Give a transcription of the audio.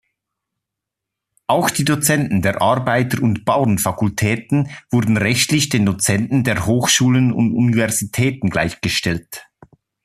Auch die Dozenten der Arbeiter-und-Bauern-Fakultäten wurden rechtlich den Dozenten der Hochschulen und Universitäten gleichgestellt.